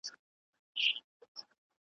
تر څو حکمونه له حُجرې وي .